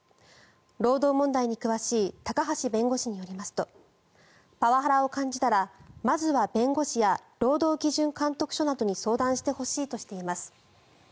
労働問題に詳しい高橋弁護士によりますとパワハラを感じたらまずは弁護士や労働基準監督署などに相談してほしいとしています。